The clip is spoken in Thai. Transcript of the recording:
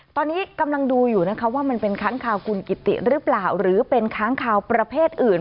ตอนนี้กำลังดูอยู่นะคะว่ามันเป็นค้างคาวคุณกิติหรือเปล่าหรือเป็นค้างคาวประเภทอื่น